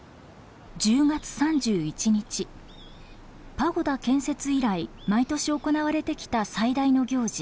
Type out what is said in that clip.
パゴダ建設以来毎年行われてきた最大の行事